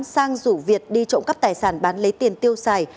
sang rủ việt đi trộm cắp tài sản bán lấy tiền tiêu xài